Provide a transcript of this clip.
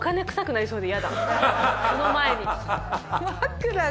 その前に。